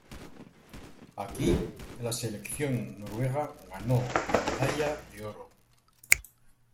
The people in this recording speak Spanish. Aquí la selección noruega ganó la medalla de oro.